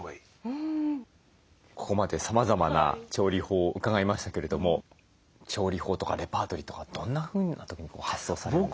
ここまでさまざまな調理法を伺いましたけれども調理法とかレパートリーとかどんなふうな時に発想されるんですか？